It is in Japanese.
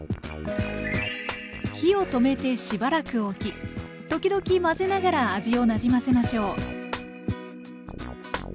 火を止めてしばらく置き時々混ぜながら味をなじませましょう。